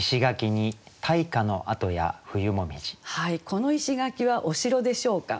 この石垣はお城でしょうか。